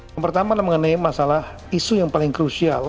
yang pertama adalah mengenai masalah isu yang paling krusial